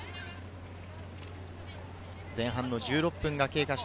前半１６分経過。